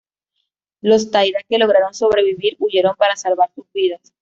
Los Taira que lograron sobrevivir huyeron para salvar sus vidas.